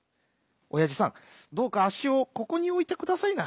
おやじさんどうかあっしをここにおいてくださいな。